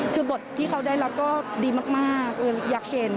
คือบทที่เขาได้รับก็ดีมากอยากเห็น